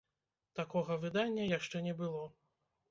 Такога выдання яшчэ не было.